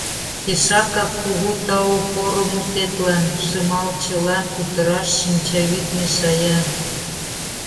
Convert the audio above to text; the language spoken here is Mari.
Пешакак кугу тау поро мутетлан, — Шымалчылан кутыраш шинчавӱд мешая.